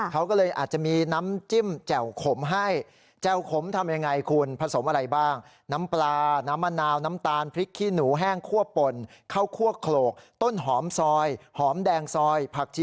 เขาก็เลยอาจจะมีน้ำจิ้มแจ่วขมให้